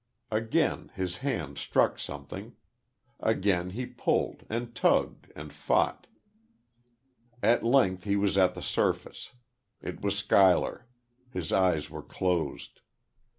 Again his hand struck something. Again he pulled, and tugged, and fought. At length he was at the surface. It was Schuyler. His eyes were closed.